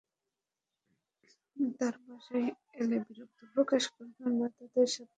তাঁরা বাসায় এলে বিরক্তি প্রকাশ করবেন না, তাঁদের সাধ্যমতো আপ্যায়ন করুন।